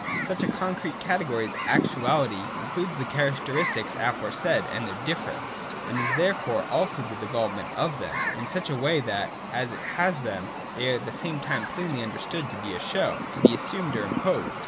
143.] .Such a concrete category as Actuality includes the characteristics aforesaid and their difference, and is therefore also the development of them, in such a way that, as it has them, they are at the same time plainly understood to be a show, to be assumed or im posed (§ 141).